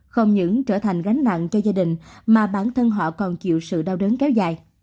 không những trở thành gánh nặng cho gia đình mà bản thân họ còn chịu sự đau đớn kéo dài